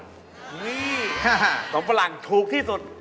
อุ๊ยขนมฝรั่งถูกที่สุด